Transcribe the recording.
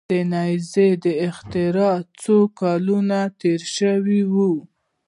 د نیزې د اختراع څو کلونه تیر شوي وو.